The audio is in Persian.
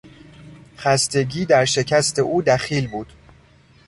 خستگی درشکست او دخیل بود.